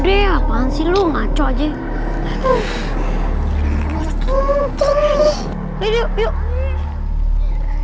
tapi kalau orang dikuburin malam malam